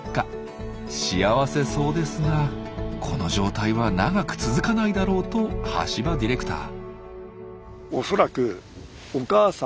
幸せそうですが「この状態は長く続かないだろう」と橋場ディレクター。